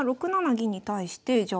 銀に対してじゃあ